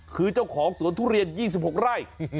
คือเจ้าของสวนทุเรียน๒๖ไร่